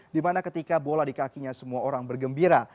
dimana ketika bola di kakinya semua orang bergembira